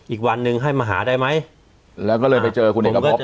อีกวันนึงให้มาหาได้ไหมแล้วก็เลยไปเจอคุณเอกพบ